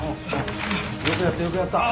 よくやったよくやった。